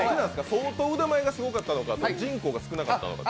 相当腕前がすごかったのか、人口が少なかったのか。